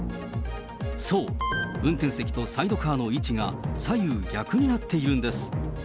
そう、運転席とサイドカーの位置が、左右逆になっているんです。